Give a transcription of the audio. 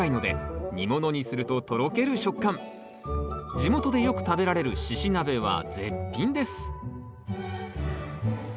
地元でよく食べられる「しし鍋」は絶品ですえ？